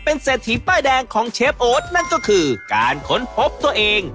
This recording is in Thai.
เป็นเศรษฐีป้ายแดงของเชฟโอ๊ตนั่นก็คือการค้นพบตัวเอง